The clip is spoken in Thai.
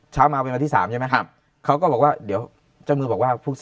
เช้ามาเวลาที่๓เวลาเดี๋ยวเขาก็บอกว่าเดี๋ยวบอกว่าพก๑๐